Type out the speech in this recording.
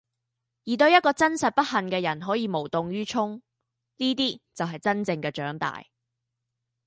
而對一個真實不幸嘅人可以無動於衷，呢啲就係真正嘅長大。